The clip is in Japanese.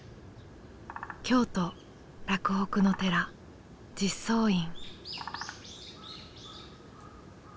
京都・洛北の寺実相院。